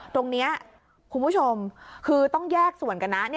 คุณผู้ชมคือต้องแยกส่วนกันนะ